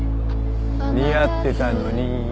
似合ってたのに。